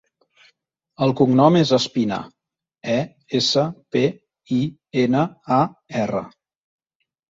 El cognom és Espinar: e, essa, pe, i, ena, a, erra.